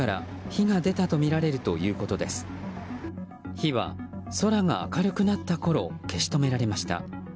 火は空が明るくなったころ消し止められました。